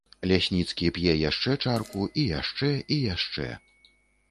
Лясніцкі п'е яшчэ чарку, і яшчэ, і яшчэ.